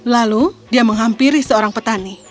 lalu dia menghampiri seorang petani